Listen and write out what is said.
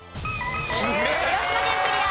広島県クリア。